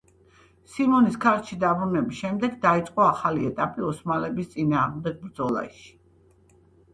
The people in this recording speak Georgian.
სიმონის ქართლში დაბრუნების შემდეგ დაიწყო ახალი ეტაპი ოსმალების წინააღმდეგ ბრძოლაში.